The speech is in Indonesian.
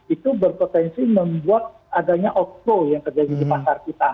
itu berpotensi membuat adanya outflow yang terjadi di pasar kita